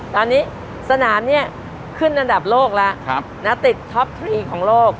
ตอนนี้สนามนี้ขึ้นอันดับโลกแล้วติดท็อปทรีของโลก